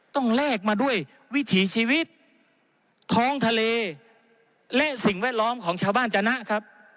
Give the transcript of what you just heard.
แลกมาด้วยวิถีชีวิตท้องทะเลและสิ่งแวดล้อมของชาวบ้านจนะครับ